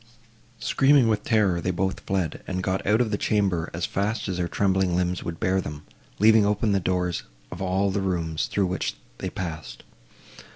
Screaming with terror, they both fled, and got out of the chamber as fast as their trembling limbs would bear them, leaving open the doors of all the rooms, through which they passed.